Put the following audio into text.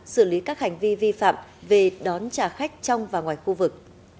xử lý các hành vi vi phạm về đón trả khách trong và ngoài khu vực